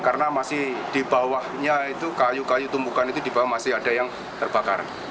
karena masih di bawahnya itu kayu kayu tumpukan itu di bawah masih ada yang terbakar